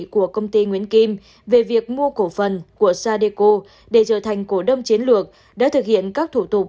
của công ty nguyễn kim về việc mua cổ phần của sadeco để trở thành cổ đông chiến lược đã thực hiện các thủ tục